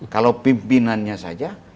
kalau pimpinannya saja